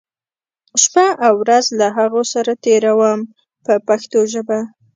شپه او ورځ له هغو سره تېروم په پښتو ژبه.